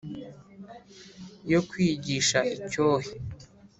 Yo kwigisha icyohe,